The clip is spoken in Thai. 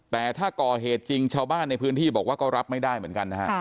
แต่ถ้าก่อเหตุจริงชาวบ้านในพื้นที่บอกว่าก็รับไม่ได้เหมือนกันนะฮะ